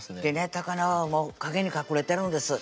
高菜は陰に隠れてるんです